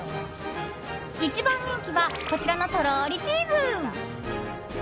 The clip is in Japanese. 一番人気はこちらの、とろりチーズ。